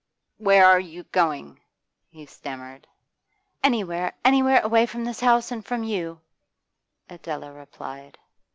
'Where are you going?' he stammered. 'Anywhere, anywhere, away from this house and from you!' Adela replied.